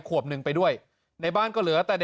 ขวบหนึ่งไปด้วยในบ้านก็เหลือแต่เด็ก